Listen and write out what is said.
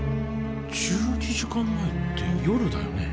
１２時間前って夜だよね？